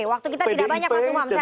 waktu kita tidak banyak mas umam